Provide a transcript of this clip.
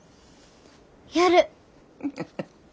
やる。